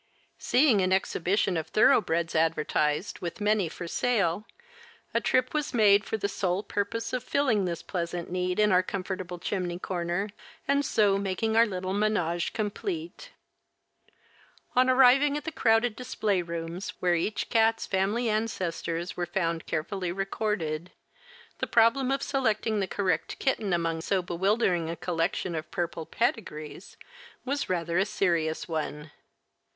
Seeing an exhibition of thoroughbreds advertised, with many for sale, a trip was made for the sole purpose of filling this pleasant need in our comfortable chimney corner, and so making our little ménage complete. On arriving at the crowded display rooms, where each cat's family ancestors were found carefully recorded, the problem of selecting the correct kitten, among so bewildering a collection of purple pedigrees, was a rather serious one.